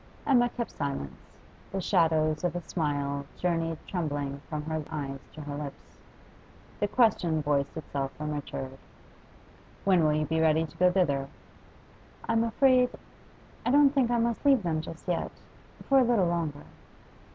Emma kept silence; the shadows of a smile journeyed trembling from her eyes to her lips. The question voiced itself from Richard: 'When will you be ready to go thither?' 'I'm afraid I don't think I must leave them just yet for a little longer.